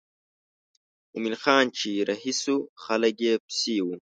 مومن خان چې رهي شو خلک یې پسې وو.